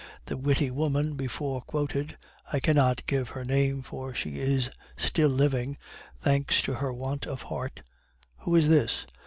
The witty woman before quoted I cannot give her name, for she is still living, thanks to her want of heart " "Who is this?"